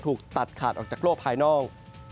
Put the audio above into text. ถูกตัดขาดออกจากโลกภายนอก